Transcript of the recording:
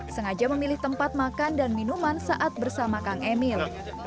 sengaja memilih tempat makan dan minuman saat bersama kang emil